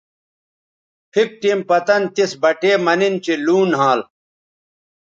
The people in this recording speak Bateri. پِھک ٹیم پتَن تِس بٹے مہ نِن چہء لوں نھال